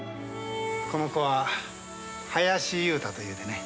この子は林雄太というてね。